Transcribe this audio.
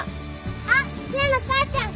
あっ陽菜の母ちゃん！